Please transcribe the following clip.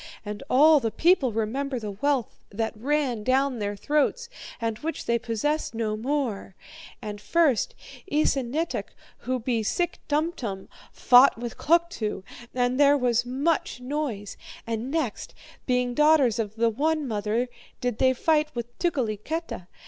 And all the people remember the wealth that ran down their throats, and which they possess no more. And first, Esanetuk, who be SICK TUMTUM, fought with Kluktu, and there was much noise. And next, being daughters of the one mother, did they fight with Tukeliketa.